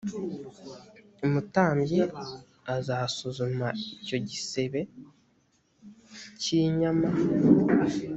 umutambyi azasuzuma icyo gisebe cy’inyama